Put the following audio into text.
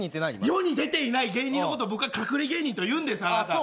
世に出ていない芸人のことを隠れ芸人と言うんです。